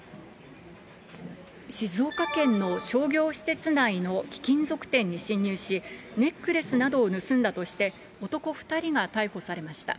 静岡県の商業施設内の貴金属店に侵入し、ネックレスなどを盗んだとして男２人が逮捕されました。